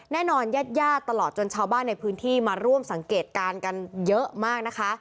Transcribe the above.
ญาติญาติตลอดจนชาวบ้านในพื้นที่มาร่วมสังเกตการณ์กันเยอะมากนะคะ